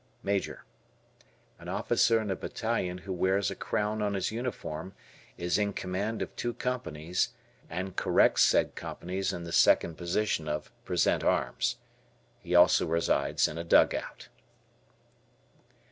Major. An officer in a Battalion who wears a crown on his uniform, is in command of two companies, and corrects said companies in the second position of "present arms." He also resides in a dugout.